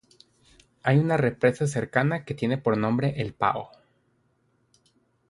Hay una represa cercana que tiene por nombre "El Pao".